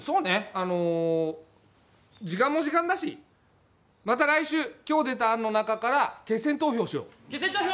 あの時間も時間だしまた来週今日出た案の中から決選投票しよう決選投票！